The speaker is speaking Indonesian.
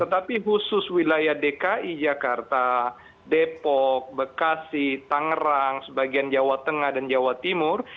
tetapi khusus wilayah dki jakarta depok bekasi tangerang sebagian jawa tengah dan jawa timur